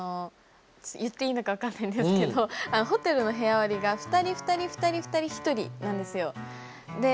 言っていいのか分かんないんですけどホテルの部屋割りが２人２人２人２人１人なんですよ。